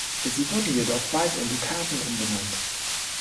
Sie wurden jedoch bald in Dukaten umbenannt.